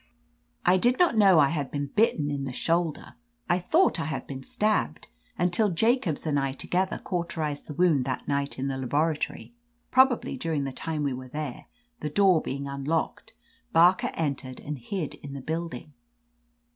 "I did not know I had been bitten in the shoulder. I thought I had been stabbed, until Jacobs and I together cauterized the wound that night in the laboratory. Probably during the time we were there, the door being un locked. Barker entered and hid in the building.